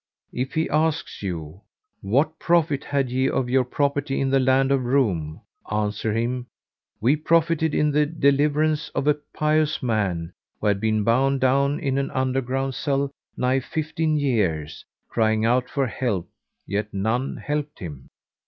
If he ask you, 'What profit had ye of your property in the land of Roum?' answer him, 'We profited in the deliverance of a pious man, who had been bound down in an underground cell nigh fifteen years, crying out for help yet none helped him.